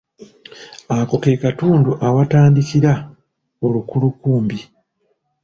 Ako ke katundu awatandikira olukulukumbi.